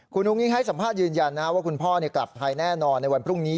คุณอุ้งอิงให้สัมภาษณ์ยืนยันว่าคุณพ่อกลับไทยแน่นอนในวันพรุ่งนี้